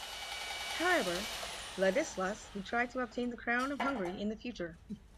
However, Ladislaus would try to obtain the crown of Hungary in the future.